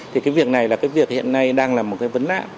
thì cái việc này là cái việc hiện nay đang là một cái vấn nạn